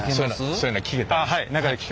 そういうのは聴けたり？